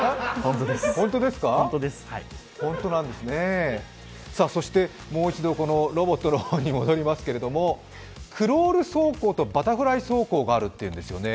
ホントなんですね、そしてもう一度、このロボットの方に戻りますけれども、クロール走行とバタフライ走行があるというんですよね。